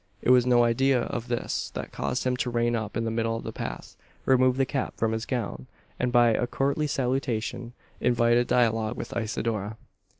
It was no idea of this that caused him to rein up in the middle of the path; remove the cap from his crown; and, by a courtly salutation, invite a dialogue with Isidora.